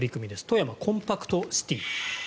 富山コンパクトシティ。